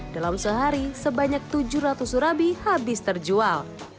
dalam sehari sebanyak tujuh ratus surabi habis terjual